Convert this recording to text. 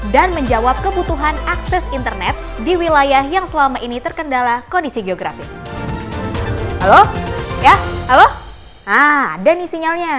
dan menjawab kebutuhan akses internet di wilayah yang selama ini terkendala kondisi geografis